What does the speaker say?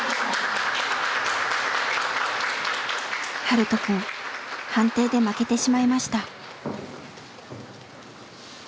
ハルトくん判定で負けてしまいました。